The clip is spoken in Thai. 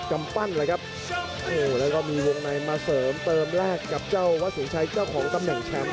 กำปั้นเลยครับโอ้โหแล้วก็มีวงในมาเสริมเติมแรกกับเจ้าวัดสินชัยเจ้าของตำแหน่งแชมป์